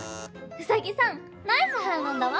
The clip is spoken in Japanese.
ウサギさんナイス反論だわ。